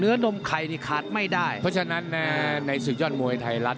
นมไข่นี่ขาดไม่ได้เพราะฉะนั้นในศึกยอดมวยไทยรัฐ